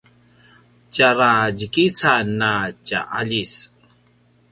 tjara djikican a tja aljis